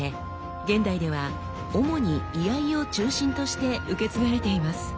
現代では主に居合を中心として受け継がれています。